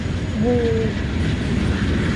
บู